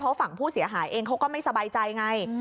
เพราะฝั่งผู้เสียหายเองเขาก็ไม่สบายใจไง